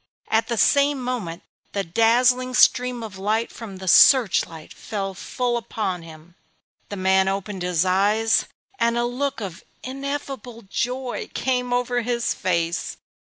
At the same moment the dazzling stream of light from the search light fell full upon him. The old man opened his eyes; and a look of ineffable joy came over his face.